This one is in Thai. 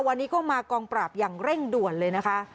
วันนี้ก็มากองปราบอย่างเร่งด่วนเลยนะคะ